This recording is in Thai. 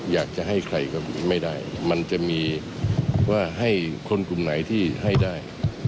อยากจะให้ใครก็ไม่ได้มันจะมีว่าให้คนกลุ่มไหนที่ให้ได้